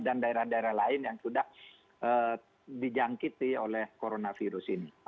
dan daerah daerah lain yang sudah dijangkiti oleh coronavirus ini